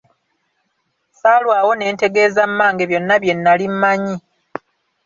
Saalwawo ne ntegeeza mmange byonna bye nnali mmanyi.